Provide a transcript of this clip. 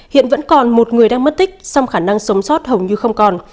hiện vẫn còn một người đang mất tích song khả năng sống sót hầu như không còn